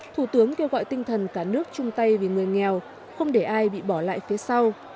thủ tướng kêu gọi tinh thần cả nước chung tay vì người nghèo không để ai bị bỏ lại phía sau